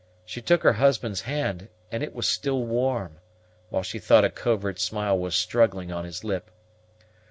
She took her husband's hand, and it was still warm, while she thought a covert smile was struggling on his lip.